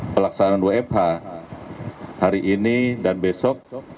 pelaksanaan wfh hari ini dan besok